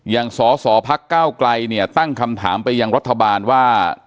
สสพักก้าวไกลเนี่ยตั้งคำถามไปยังรัฐบาลว่า